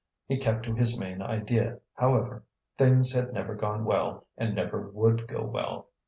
He kept to his main idea, however: things had never gone well and never would go well.